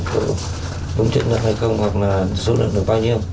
có đúng chứng nhận hay không hoặc là số lượng được bao nhiêu